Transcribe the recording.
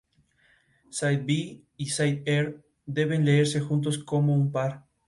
Más tarde pasó a la Southern Conference, donde ganaron otros dos títulos más.